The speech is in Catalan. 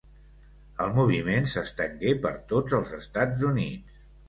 El moviment s'estengué per tots els Estats Units.